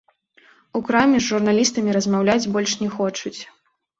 У краме з журналістамі размаўляць больш не хочуць.